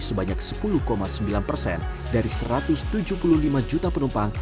sebanyak sepuluh sembilan persen dari satu ratus tujuh puluh lima juta penumpang